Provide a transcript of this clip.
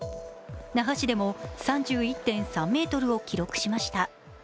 那覇市でも３１．３メートルを記録しました。